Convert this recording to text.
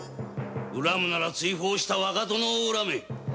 恨むなら追放した若殿を恨め！